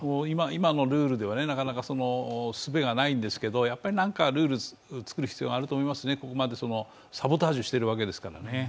今のルールでは、なかなか、そのすべがないんですが何かルールを作る必要があると思いますね、ここまでサボタージュしているわけですからね。